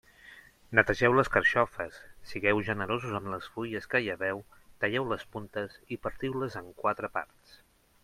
Netegeu les carxofes, sigueu generosos amb les fulles que lleveu, talleu les puntes i partiu-les en quatre parts.